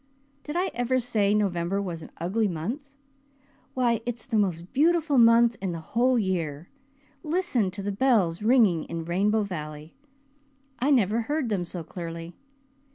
Did I ever say November was an ugly month? Why it's the most beautiful month in the whole year. Listen to the bells ringing in Rainbow Valley! I never heard them so clearly.